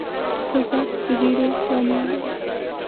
توپک د ویرو لامل دی.